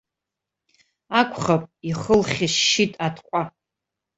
Акәхап, ихы лхьышьшьит атҟәа.